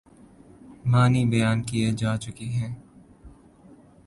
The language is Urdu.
معنی بیان کئے جا چکے ہیں۔